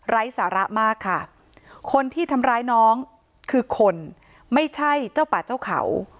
สาระมากค่ะคนที่ทำร้ายน้องคือคนไม่ใช่เจ้าป่าเจ้าเขา